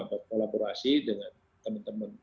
berkolaborasi dengan teman teman